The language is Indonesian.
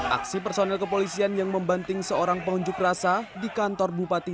aksi personel kepolisian yang membanting seorang pengunjuk rasa di kantor bupati